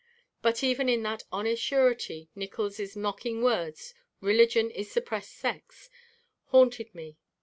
But even in that honest surety Nickols' mocking words "religion is suppressed sex" haunted me.